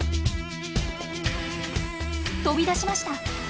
飛び出しました！